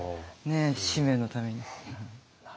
使命のために。